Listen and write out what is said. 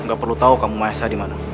tidak perlu tahu kamu maesah dimana